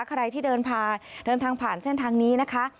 ใครที่เดินทางผ่านเส้นทางนี้นะคะ